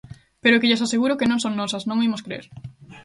Pero é que lles aseguro que non son nosas, non o imos crer.